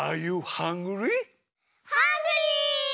ハングリー！